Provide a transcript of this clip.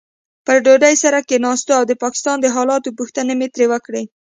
پر ډوډۍ سره کښېناستو او د پاکستان د حالاتو پوښتنې مې ترې وکړې.